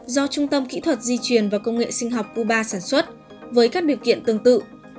do trung tâm kỹ thuật di truyền và công nghệ sinh học cuba sản xuất với các điều kiện tương tự